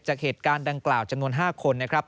จากเหตุการณ์ดังกล่าวจำนวน๕คนนะครับ